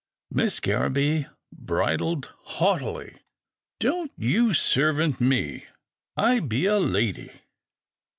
Miss Garraby bridled haughtily. " Don't you servant me. I be a lady."